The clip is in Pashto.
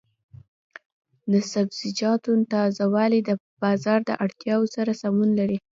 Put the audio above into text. د سبزیجاتو تازه والي د بازار د اړتیاوو سره سمون لري.